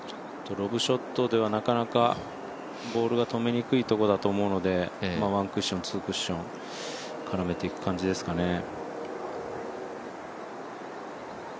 ロブショットではなかなかボールが止めにくいところだと思うので、ワンクッション、ツークッション絡めていく感じですかね。